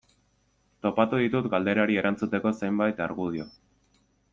Topatu ditut galderari erantzuteko zenbait argudio.